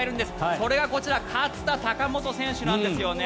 それがこちら勝田貴元選手なんですよね。